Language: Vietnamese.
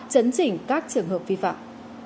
chấn chỉnh các trường hợp vi phạm